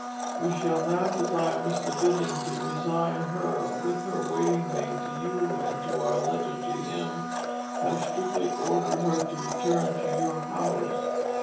We shall now desire Mr. Binning to resign her with her waiting maid to you and in our Letter to him have strictly ordered her to Return to your House.